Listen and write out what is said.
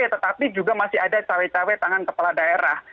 tetapi juga masih ada cawe cawe tangan kepala daerah